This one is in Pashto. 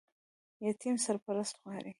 یتیم سرپرست غواړي